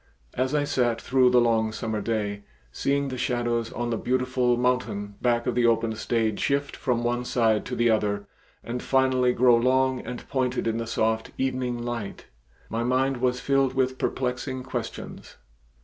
As I sat through the long summer day, seeing the shadows on the beautiful mountain back of the open stage shift from one side to the other and finally grow long and pointed in the soft evening light, my mind was filled with perplexing questions.